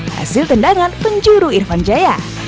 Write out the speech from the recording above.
hasil tendangan penjuru irfan jaya